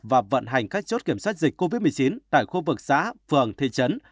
và vận hành các chốt kiểm soát dịch covid một mươi chín tại khu vực xã phường thị trấn